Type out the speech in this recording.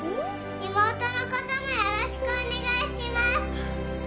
妹のこともよろしくお願いします